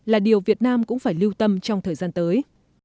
là điều việt nam cũng phải lưu tâm trong thời gian tới